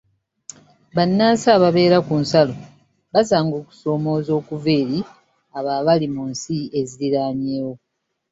Bannansi ababeera ku nsalo basanga okusoomooza okuva eri abo abali mu nsi eziriraanyewo.